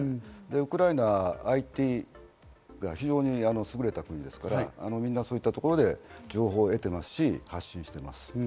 ウクライナはＩＴが非常にすぐれた国ですから、そういったところで情報を得ていますし、発信しています。